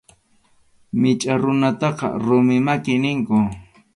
Michʼa runakunataqa rumi maki ninku.